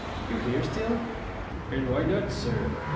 "You here still?" "And why not, sir?"